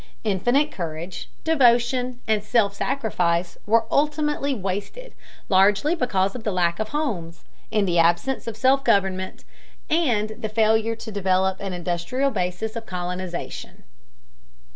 Infinite courage, devotion, and self sacrifice were ultimately wasted, largely because of the lack of homes, the absence of self government, and the failure to develop an industrial basis of colonization.